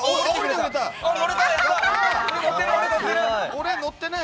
俺、乗ってない。